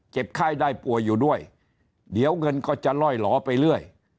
ไข้ได้ป่วยอยู่ด้วยเดี๋ยวเงินก็จะล่อยหลอไปเรื่อย